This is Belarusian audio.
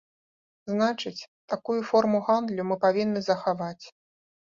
Значыць, такую форму гандлю мы павінны захаваць.